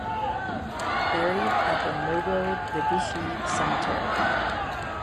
Buried at the Novodevichy Cemetery.